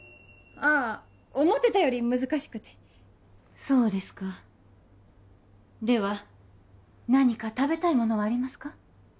ああ思ってたより難しくてそうですかでは何か食べたいものはありますか？